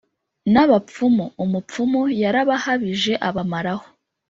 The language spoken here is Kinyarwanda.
n’abapfumu”! Umupfumu yarabahabije, abamaraho